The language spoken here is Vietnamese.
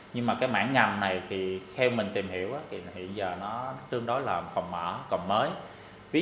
nhưng mà cái mảng ngầm này thì theo mình tìm hiểu thì hiện giờ nó tương đối là phòng mở còn mới